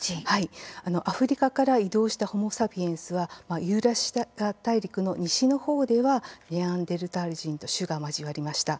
アフリカから移動したホモ・サピエンスはユーラシア大陸の西の方ではネアンデルタール人と種が交わりました。